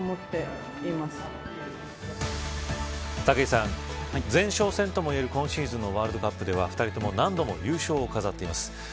武井さん、前哨戦とも言える今シーズンのワールドカップでは２人とも何度も優勝を飾っています。